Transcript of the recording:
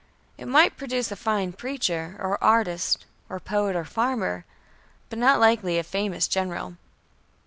It might produce a fine preacher, or artist, or poet, or farmer but not likely a famous general.